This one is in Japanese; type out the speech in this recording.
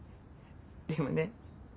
でもね